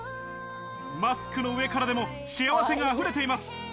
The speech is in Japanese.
マスクの上からでも幸せが溢れています。